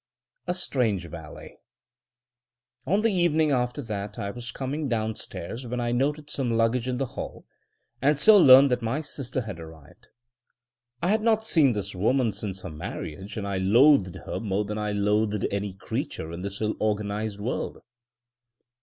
A strange valet! On the evening after that, I was coming downstairs, when I noted some luggage in the hall, and so learned that my sister had arrived. I had not seen this woman since her marriage, and I loathed her more than I loathed any creature in this ill organised world.